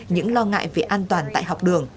những lo ngại về an toàn tại học đường